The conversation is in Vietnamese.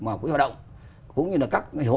mà quý hoạt động cũng như các hiệp vụ